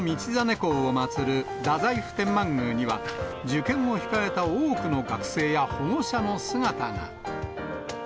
公を祭る太宰府天満宮には、受験を控えた多くの学生や保護者の姿が。